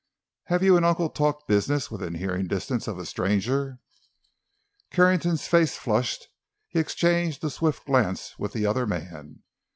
"Have you and uncle talked business within hearing distance of a stranger?" Carrington's face flushed; he exchanged a swift glance with the other man.